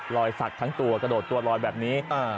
สักทั้งตัวกระโดดตัวลอยแบบนี้